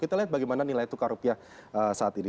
kita lihat bagaimana nilai tukar rupiah saat ini